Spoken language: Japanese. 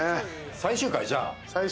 最終回じゃん。